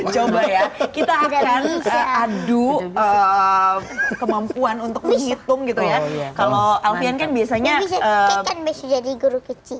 coba ya kita akan adu kemampuan untuk menghitung gitu ya